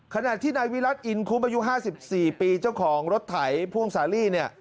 ขณะที่นายวิรัติอินคุ้มอายุ๕๔ปีเจ้าของรถไถพ่วงสาลีเนี่ย